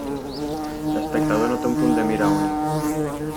L'espectador no té un punt de mira únic.